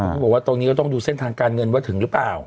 ก็บอกว่าตรงนี้ก็ต้องดูเส้นทางการเงินว่าถึงหรือเปล่า